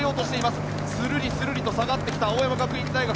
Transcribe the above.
するりするりと下がってきた青山学院大学。